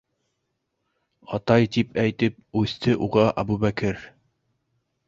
Атай тип әйтеп үҫте уға Әбүбәкер.